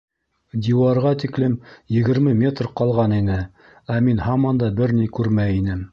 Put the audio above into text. Диуарға тиклем егерме метр ҡалған ине, ә мин һаман да бер ни күрмәй инем.